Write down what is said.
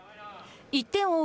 １点を追う